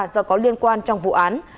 do có liên quan trong vụ án